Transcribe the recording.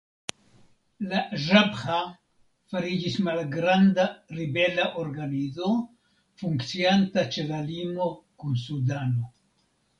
La Ĵabĥa fariĝis malgranda ribela organizo funkcianta ĉe la limo kun Sudano.